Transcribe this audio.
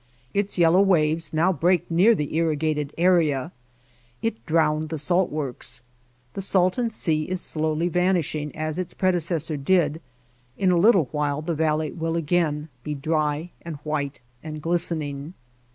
Its yellow waves now break near the irrigated area; it drowned the salt works. The Salton Sea is slowly vanishing as its predecessor did; in a little while the valley will again be dry and white and glistening.